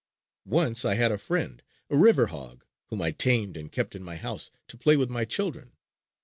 Once I had a friend, a river hog, whom I tamed and kept in my house to play with my children.